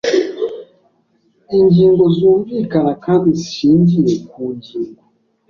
ingingo zumvikana kandi zishingiye ku ngingo